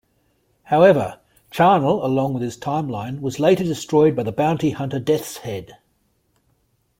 However, Charnel along with his timeline was later destroyed by the bounty-hunter Death's Head.